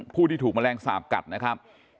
ผู้ที่ถูกแมลงสาปกัดนะครับ